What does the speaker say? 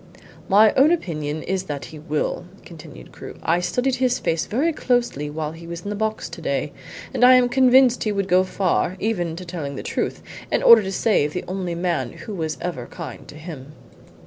"My own opinion is that he will," continued Crewe. "I studied his face very closely while he was in the box to day, and I am convinced he would go far even to telling the truth in order to save the only man who was ever kind to him."